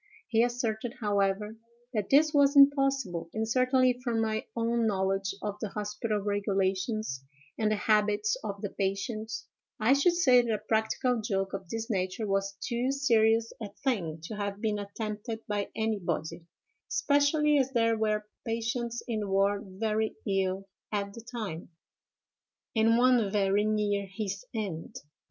He asserted, however, that this was impossible; and, certainly, from my own knowledge of the hospital regulations, and the habits of the patients, I should say that a practical joke of this nature was too serious a thing to have been attempted by anybody, especially as there were patients in the ward very ill at the time, and one very near his end.